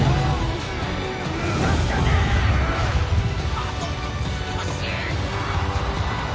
「あと少し！」